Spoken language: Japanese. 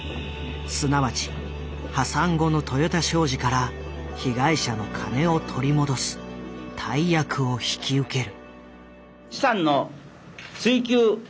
すなわち破産後の豊田商事から被害者の金を取り戻す大役を引き受ける。